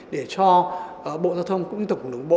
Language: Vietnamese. để cho bộ giao thông cũng như tổng cục đường bộ